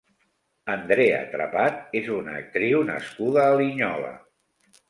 Andrea Trepat és una actriu nascuda a Linyola.